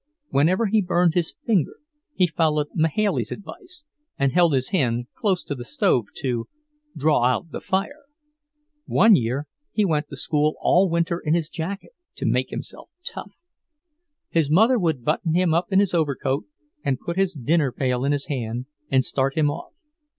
Whenever he burned his finger, he followed Mahailey's advice and held his hand close to the stove to "draw out the fire." One year he went to school all winter in his jacket, to make himself tough. His mother would button him up in his overcoat and put his dinner pail in his hand and start him off.